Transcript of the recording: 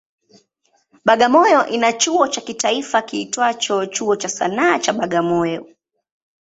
Bagamoyo ina chuo cha kitaifa kiitwacho Chuo cha Sanaa cha Bagamoyo.